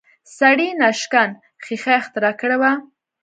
سړي ناشکن ښیښه اختراع کړې وه